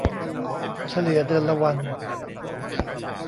เฉลี่ยเดือนละวัน